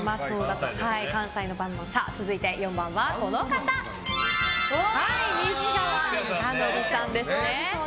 続いて４番は、西川貴教さんです。